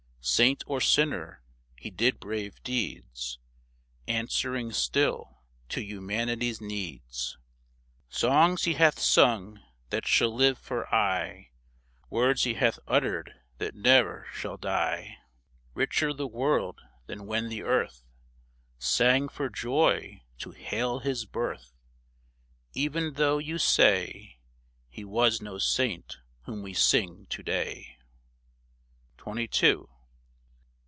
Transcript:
Saint or sinner, he did brave deeds Answering still to humanity's needs ! Songs he hath sung that shall live for aye ; Words he hath uttered that ne'er shall die ; THE DEAD CENTURY 105 Richer the world than when the earth Sang for joy to hail his birth, Even though you say He was no saint whom we sing to day. XXII. Lo